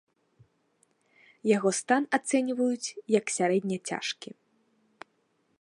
Яго стан ацэньваюць як сярэдне цяжкі.